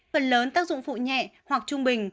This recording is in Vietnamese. phần lớn tác dụng phụ nhẹ hoặc trung bình